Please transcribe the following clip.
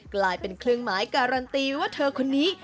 กลายเป็นเครื่องหมายการันตีว่าเธอคนนี้